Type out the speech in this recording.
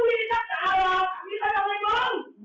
มีใครทำอะไรมึง